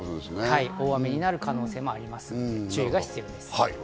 大雨になる可能性があるので注意が必要です。